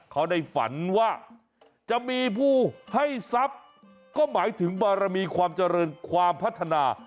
เขาได้ฝันว่าจะมีผู้ให้ทรัพย์ก็หมายถึงบารมีความเจริญความพัฒนา